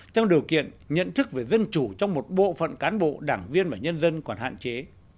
trong điều kiện nhận thức về dân chủ trong một bộ phận cán bộ đảng viên và nhân dân còn hạn chế